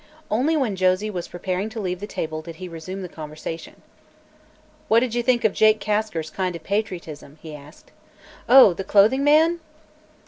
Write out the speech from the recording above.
Only when Josie was preparing to leave the table did he resume the conversation. "What did you think of Jake Kasker's kind of patriotism?" he asked. "Oh; the clothing man?